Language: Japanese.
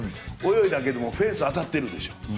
泳いだけどもフェンスに当たってるでしょ。